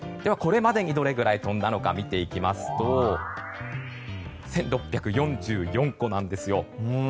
これまでにどれぐらい飛んだのか見ていきますと１６４４個なんですよ。